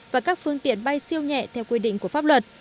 và các phương tiện bay siêu nhẹ theo quy định của pháp luật